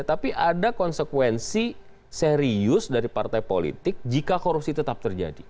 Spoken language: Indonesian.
tapi ada konsekuensi serius dari partai politik jika korupsi tetap terjadi